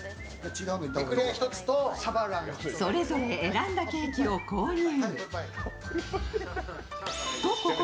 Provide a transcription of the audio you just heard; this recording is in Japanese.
それぞれ選んだケーキを購入。